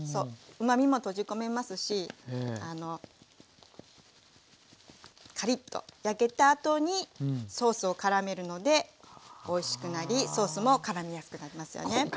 うまみも閉じ込めますしカリッと焼けたあとにソースをからめるのでおいしくなりソースもからみやすくなりますよね。